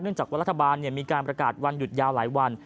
จากว่ารัฐบาลมีการประกาศวันหยุดยาวหลายวัน